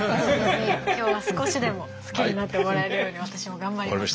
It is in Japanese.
今日は少しでも好きになってもらえるように私も頑張ります。